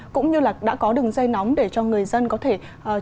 cũng như là đã có đường dây nóng để cho người dân có thể trực tiếp